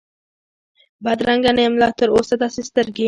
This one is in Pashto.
بدرنګه نه یم لا تراوسه داسي سترګې،